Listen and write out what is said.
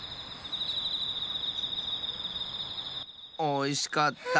おいしかった！